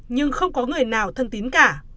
nhưng không có người nào thân tính cả